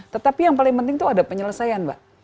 tetapi yang paling penting itu ada penyelesaian mbak